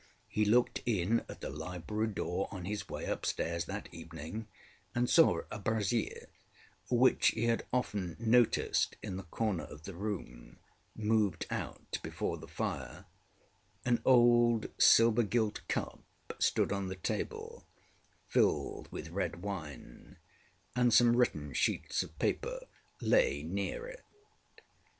He looked in at the library door on his way upstairs that evening, and saw a brazier, which he had often noticed in the corner of the room, moved out before the fire; an old silver gilt cup stood on the table, filled with red wine, and some written sheets of paper lay near it.